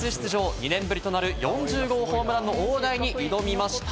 ２年ぶりとなる４０号ホームランの大台に挑みました。